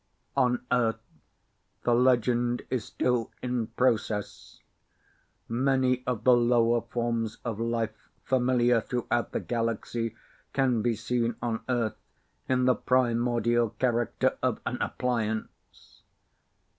On Earth the legend is still in process. Many of the lower forms of life familiar throughout the galaxy can be seen on Earth in the primordial character of an appliance.